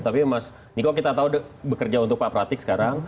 tapi mas niko kita tahu bekerja untuk pak pratik sekarang